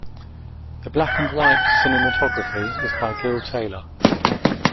The black and white cinematography is by Gil Taylor.